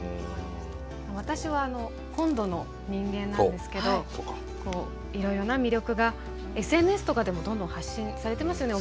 私は本土の人間なんですけどいろいろな魅力がＳＮＳとかでもどんどん発信されてますよね